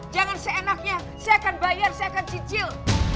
jangan seenaknya saya akan bayar saya akan cicil